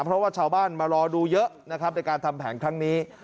เพราะว่าชาวบ้านมารอดูเยอะนะครับในการทำแผนครั้งนี้